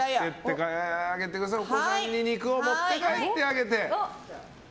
お子さんに肉を持って帰ってあげて！